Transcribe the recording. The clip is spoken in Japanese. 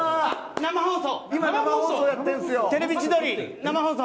生放送？